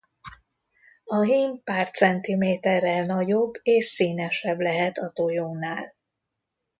A hím pár cm-el nagyobb és színesebb lehet a tojónál.